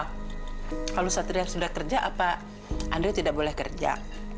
kalau satria sudah kerja apa andre tidak boleh kerja